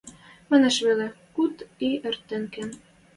Манаш веле — куд и эртен кен...